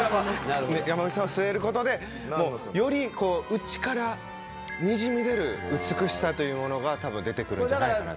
山口さんを据える事でより内からにじみ出る美しさというものが多分出てくるんじゃないかなと。